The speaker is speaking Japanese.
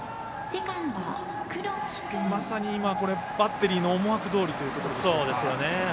まさに今、バッテリーの思惑どおりというところでしょうか。